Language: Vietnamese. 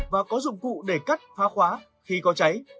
và có dụng cụ để cắt phá khóa khi có cháy